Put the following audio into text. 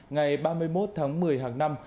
ngày ba mươi một tháng một mươi hàng năm